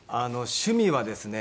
趣味はですね